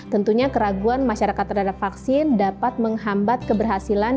tentunya keraguan masyarakat terhadap vaksin dapat menghambat keberhasilan